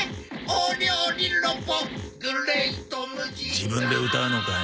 自分で歌うのかよ。